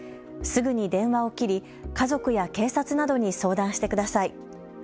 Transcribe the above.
すぐに電話を切り、家族や警察などに相談してください。